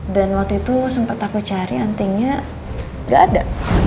dan waktu itu sempet aku cari antingnya gak ada